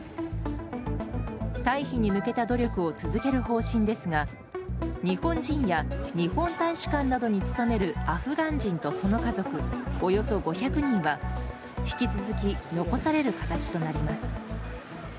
退避に向けた努力を続ける方針ですが日本人や日本大使館などに勤めるアフガン人とその家族、およそ５００人は引き続き、残される形となります。